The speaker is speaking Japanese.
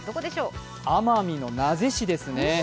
奄美の名瀬市ですね。